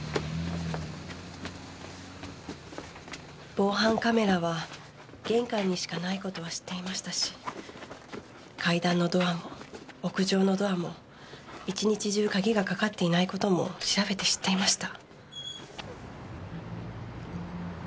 防犯カメラは玄関にしかない事は知っていましたし階段のドアも屋上のドアも一日中鍵がかかっていない事も調べて知っていました。